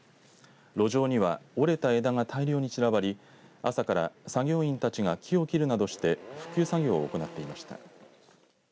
路上には折れた枝が大量に散らばり朝から作業員たちは木を切るなどして復旧作業を行っていました。